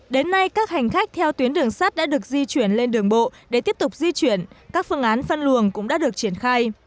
đến nay các hành khách theo tuyến đường sắt đã được di chuyển lên đường bộ để tiếp tục di chuyển các phương án phân luồng cũng đã được triển khai